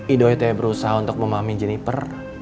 idoi itu yang berusaha untuk memahami jennifer